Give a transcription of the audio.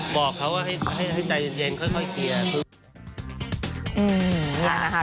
บอกเขาว่าให้ใจเย็นค่อยเคลียร์